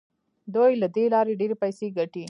دوی له دې لارې ډیرې پیسې ګټي.